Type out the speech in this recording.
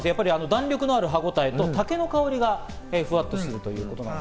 弾力のある歯ごたえと竹の香りがふわっとする。